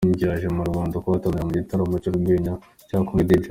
Kigingi yaje mu Rwanda kuhataramira mu gitaramo cy’urwenya cya Comedy Jam.